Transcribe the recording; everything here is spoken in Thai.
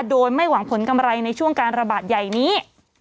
โดยไม่หวังผลกำไรในช่วงการระบาดใหญ่นี้